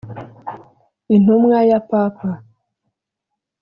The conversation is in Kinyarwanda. intumwa ya Papa